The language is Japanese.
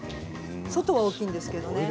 外は大きいんですけどね。